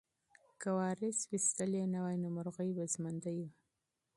که وارث ویشتلی نه وای نو مرغۍ به ژوندۍ وه.